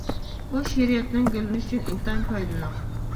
بۇ شېئىرىيەتنىڭ گۈللىنىش ئۈچۈن ئىنتايىن پايدىلىق.